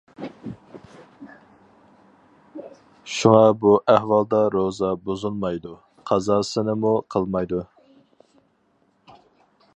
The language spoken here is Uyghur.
شۇڭا بۇ ئەھۋالدا روزا بۇزۇلمايدۇ، قازاسىنىمۇ قىلمايدۇ.